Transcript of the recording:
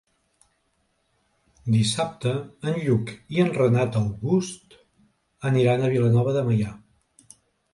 Dissabte en Lluc i en Renat August aniran a Vilanova de Meià.